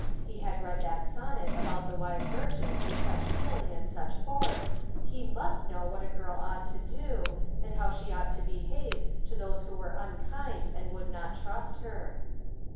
He had read that sonnet about the wise virgin with such feeling and such force, he must know what a girl ought to do, and how she ought to behave to those who were unkind and would not trust her.